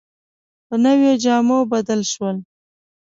په نویو جامو بدل شول.